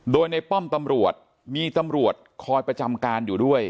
โดยในป้อมตำรวจมีตำรวจคอยประจำการอยู่ด้วย